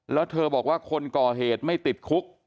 แล้วเธอบอกว่าคนก่อเหตุไม่ติดคุก